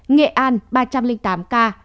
nghệ an ba trăm linh tám ca